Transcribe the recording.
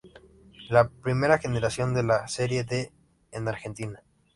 La primera generación de la serie D en Argentina.